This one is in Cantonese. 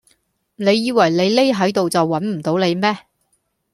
你以為你匿喺度就搵唔到你咩